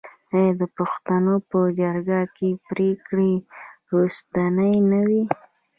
آیا د پښتنو په جرګه کې پریکړه وروستۍ نه وي؟